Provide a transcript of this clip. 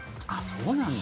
そうなんだ。